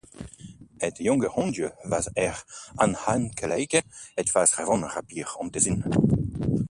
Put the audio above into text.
Het jonge hondje was erg aanhankelijk, het was gewoon grappig om te zien.